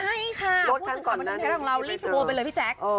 ใช่ค่ะพูดถึงทางบันทึงไทยของเรารีบโทรไปเลยพี่แจ๊ค